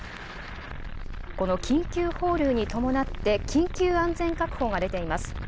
この緊急放流に伴って、緊急安全確保が出ています。